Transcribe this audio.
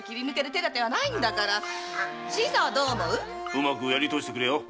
うまくやりとおしてくれよ。